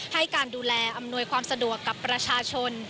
ให้การดูแลอำนวยความสะดวกกับประชาชน